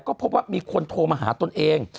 ก็พบว่ามีคนโทรมาหาตนเอง